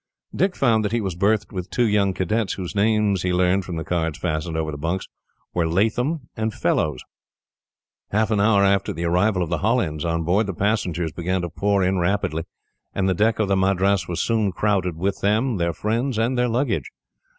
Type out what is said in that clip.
Dick found that he was berthed with two young cadets, whose names, he learned from the cards fastened over the bunks, were Latham and Fellows. Half an hour after the arrival of the Hollands on board, the passengers began to pour in rapidly, and the deck of the Madras was soon crowded with them, their friends, and their luggage.